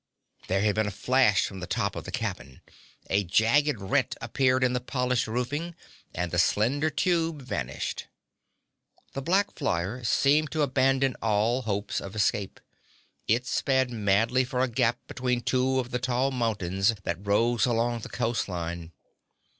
There had been a flash from the top of the cabin. A jagged rent appeared in the polished roofing, and the slender tube vanished. The black flyer seemed to abandon all hopes of escape. It sped madly for a gap between two of the tall mountains that rose along the coast line.